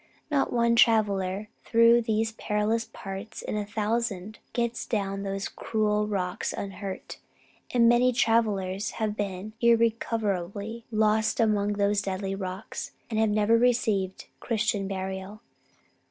Not one traveller through these perilous parts in a thousand gets down those cruel rocks unhurt; and many travellers have been irrecoverably lost among those deadly rocks, and have never received Christian burial.